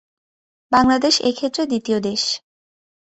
বাংলাদেশ এ ক্ষেত্রে দ্বিতীয় দেশ।